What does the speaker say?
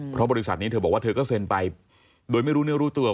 เพราะบริษัทนี้เธอบอกว่าเธอก็เซ็นไปโดยไม่รู้เนื้อรู้ตัว